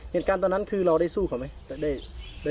เหตุการณ์ตอนนั้นคือเราได้สู้เขาไหม